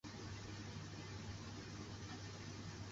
滑雪是指利用滑雪板在雪地滑行的一种体育运动。